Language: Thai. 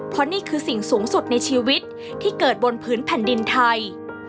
เพราะนี่คือสิ่งสูงสุดในชีวิตที่เกิดบนพื้นแผ่นดินไทย